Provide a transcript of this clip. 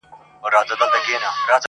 • يوه ورځ بيا پوښتنه راپورته کيږي..